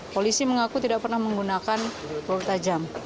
polisi mengaku tidak pernah menggunakan peluru tajam